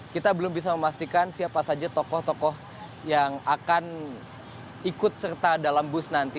kita belum bisa memastikan siapa saja tokoh tokoh yang akan ikut serta dalam bus nanti